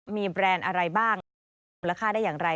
มีแบรนด์อะไรบ้างและค่าได้อย่างไร